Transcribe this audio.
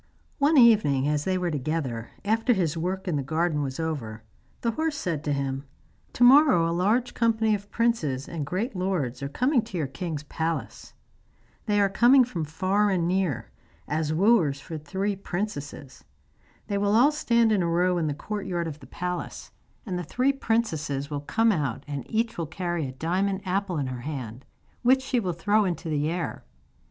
One evening, as they were together, after his work in the garden was over, the horse said to him: 'To morrow a large company of princes and great lords are coming to your king's palace. They are coming from far and near, as wooers for the three princesses. They will all stand in a row in the courtyard of the palace, and the three princesses will come out, and each will carry a diamond apple in her hand, which she will throw into the air.